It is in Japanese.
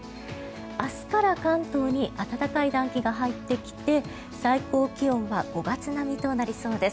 明日から関東に暖かい暖気が入ってきて最高気温は５月並みとなりそうです。